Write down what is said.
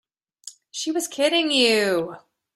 She was kidding you.